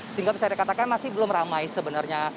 sehingga bisa dikatakan masih belum ramai sebenarnya